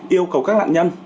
yêu cầu các nạn nhân